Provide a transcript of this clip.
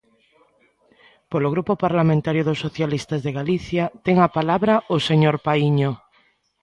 Polo Grupo Parlamentario dos Socialistas de Galicia, ten a palabra o señor Paíño.